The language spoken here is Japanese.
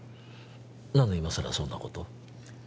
何で今更そんなことを？